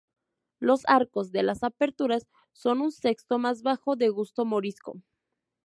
Los arcos de las aperturas son un sexto más bajo, de gusto morisco.